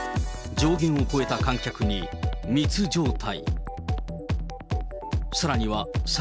上限を超えた観客に密状態。